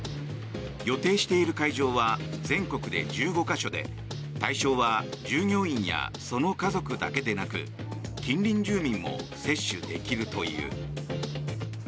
予定している会場は全国で１５か所で対象は従業員やその家族だけでなく近隣住民も接種できるという。